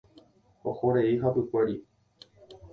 Ohorei hapykuéri.